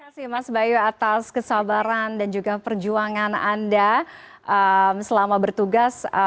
terima kasih mas bayu atas kesabaran dan juga perjuangan anda selama bertugas